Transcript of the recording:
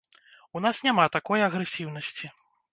У нас няма такой агрэсіўнасці.